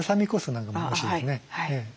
何でもおいしいですね。